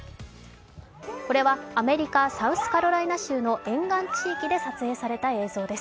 これはアメリカ・サウスカロライナ州の沿岸地域で撮影された映像です。